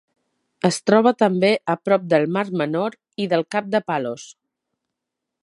Es troba també a prop del Mar Menor i del cap de Palos.